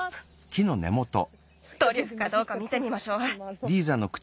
トリュフかどうか見てみましょう。